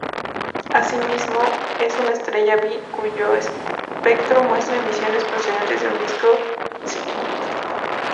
Asimismo, es una estrella Be cuyo espectro muestra emisiones procedentes de un disco circunestelar.